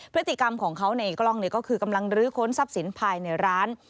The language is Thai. พฤติกรรมของเขาในกล้องก็คือกำลังลื้อค้นทรัพย์สินภายในร้าน